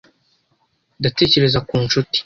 Ndatekereza ku nshuti